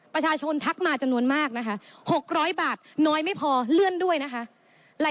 ทักมาจำนวนมากนะคะ๖๐๐บาทน้อยไม่พอเลื่อนด้วยนะคะ